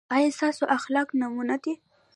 ایا ستاسو اخلاق نمونه دي؟